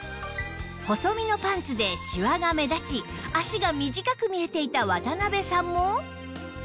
細身のパンツでしわが目立ち脚が短く見えていた渡邉さんも